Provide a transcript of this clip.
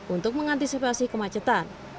untuk mengantisipasi kemacetan